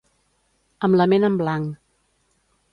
Amb la ment en blanc.